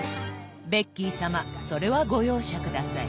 ベッキー様それはご容赦下さい。